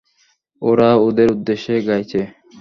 ওরা ওদের উদ্দেশ্যে গাইছে!